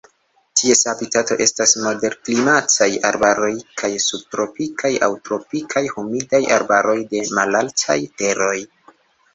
Ties habitato estas moderklimataj arbaroj kaj subtropikaj aŭ tropikaj humidaj arbaroj de malaltaj teroj.